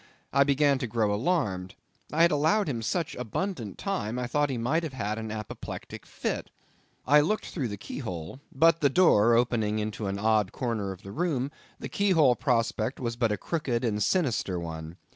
I began to grow alarmed. I had allowed him such abundant time; I thought he might have had an apoplectic fit. I looked through the key hole; but the door opening into an odd corner of the room, the key hole prospect was but a crooked and sinister one.